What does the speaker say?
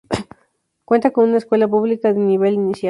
Cuenta con una escuela pública de nivel inicial.